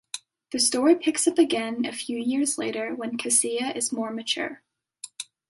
The story picks up again a few years later when Casseia is more mature.